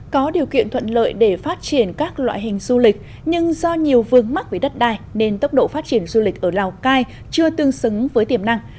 có điều kiện thuận lợi để phát triển các loại hình du lịch nhưng do nhiều vương mắc với đất đai nên tốc độ phát triển du lịch ở lào cai chưa tương xứng với tiềm năng